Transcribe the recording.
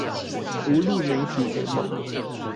獨立媒體聯盟